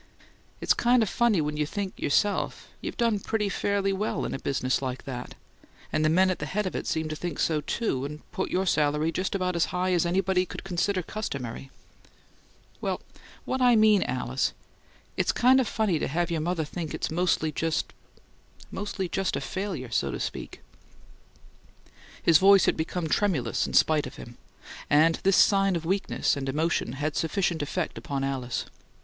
It's kind of funny when you think, yourself, you've done pretty fairly well in a business like that, and the men at the head of it seem to think so, too, and put your salary just about as high as anybody could consider customary well, what I mean, Alice, it's kind of funny to have your mother think it's mostly just mostly just a failure, so to speak." His voice had become tremulous in spite of him; and this sign of weakness and emotion had sufficient effect upon Alice.